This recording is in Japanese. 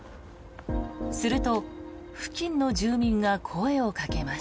すると、付近の住民が声をかけます。